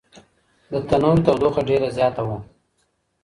د تنور تودوخه ډېره زیاته وه.